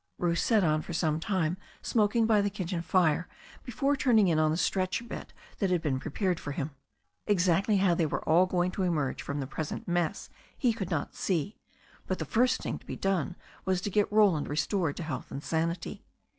Bruce sat on for some time smoking by the kitchen fire before turning in on the stretcher bed that had been pre pared for him. Exactly how they were all going to emerge from the present mess he could not see, but the first thing to be done was to get Roland restored to health and sanity.